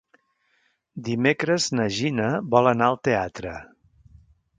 Dimecres na Gina vol anar al teatre.